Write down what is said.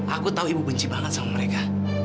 aku tahu ibu benci banget sama mereka